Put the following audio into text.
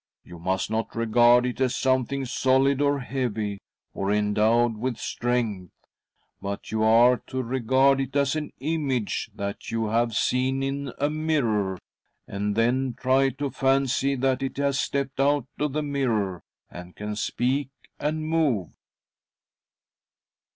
You must not regard it as something solid or heavy, or endowed with strength, but you are to regard it as an image that you have, seen in a mirror, and then try to fancy . that it has stepped out of the mirror and can speak and move."